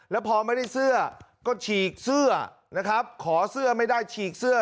แล้วพอไม่ได้เสื้อก็ฉีกเสื้อนะครับขอเสื้อไม่ได้ฉีกเสื้อ